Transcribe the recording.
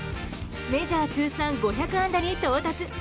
メジャー通算５００安打に到達。